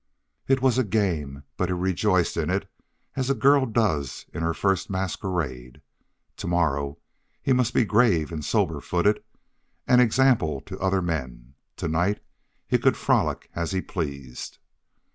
It was a game, but he rejoiced in it as a girl does in her first masquerade. Tomorrow he must be grave and sober footed and an example to other men; tonight he could frolic as he pleased.